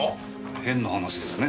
変な話ですね。